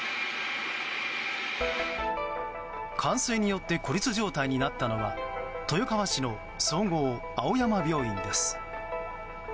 冠水によって孤立状態になったのは豊川市の総合青山病院です。